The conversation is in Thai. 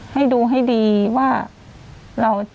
ให้ดูให้ดีว่า